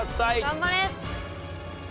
頑張れ！